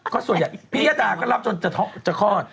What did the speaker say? ก็ส่วนใหญ่พี่ยดาก็รับจนจะคลอด